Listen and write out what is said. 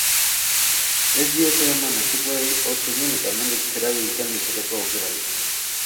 Ez diote eman etxekoei hots egin eta nondik zerabilten esateko aukerarik.